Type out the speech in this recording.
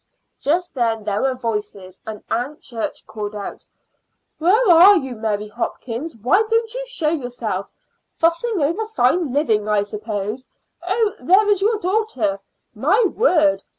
Just then there were voices, and Aunt Church called out: "Where are you, Mary Hopkins? Why don't you show yourself? Fussing over fine living, I suppose. Oh, there is your daughter. My word!